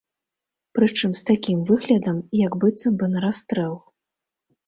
Прычым з такім выглядам, як быццам бы на расстрэл.